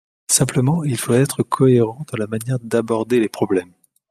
Simplement, il faut être cohérent dans la manière d’aborder les problèmes.